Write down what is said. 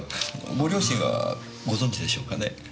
ご両親はご存じでしょうかね？